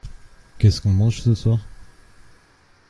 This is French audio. Qu’est-ce qu’on mange ce soir ?